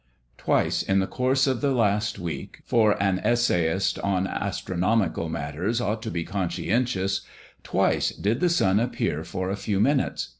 Twice in the course of the last week for an essayist on astronomical matters ought to be conscientious twice did the sun appear for a few minutes.